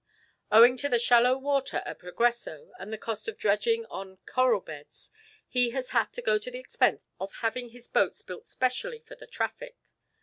Owing to the shallow water at Progreso and the cost of dredging on coral beds, he has had to go to the expense of having his boats built specially for the traffic.